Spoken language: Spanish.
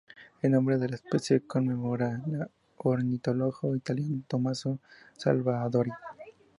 El nombre de la especie conmemora al ornitólogo italiano Tommaso Salvadori.